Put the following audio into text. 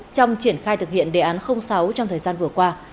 trong triển khai thực hiện đề án sáu trong thời gian vừa qua